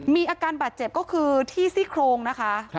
มีอาการบาดเจ็บก็คือที่ซี่โครงนะคะ